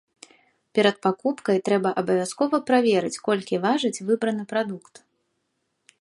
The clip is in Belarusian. Перад пакупкай трэба абавязкова праверыць, колькі важыць выбраны прадукт.